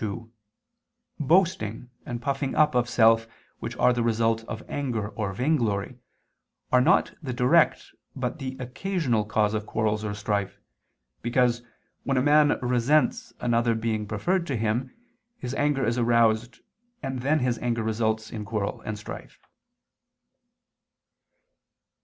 2: Boasting and puffing up of self which are the result of anger or vainglory, are not the direct but the occasional cause of quarrels or strife, because, when a man resents another being preferred to him, his anger is aroused, and then his anger results in quarrel and strife.